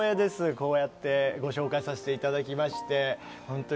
こうやってご紹介させていただきまして。